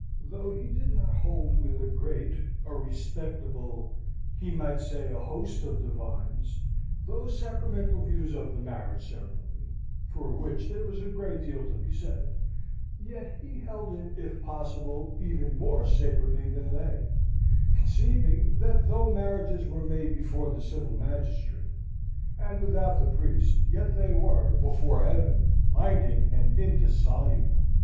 Though he did not hold with a great, a respectable, he might say a host of divines, those sacramental views of the marriage ceremony for which there was a great deal to be said yet he held it, if possible, even more sacredly than they; conceiving that though marriages were made before the civil magistrate, and without the priest, yet they were, before Heaven, binding and indissoluble.